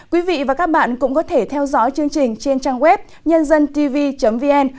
quý vị và các bạn cũng có thể theo dõi chương trình trên trang web nhândântv vn